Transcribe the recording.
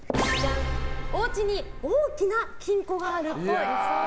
おうちに大きな金庫があるっぽい。